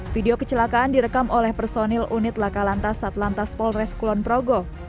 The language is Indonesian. video kecelakaan direkam oleh personil unit lakalantas satlantas polres kulon progo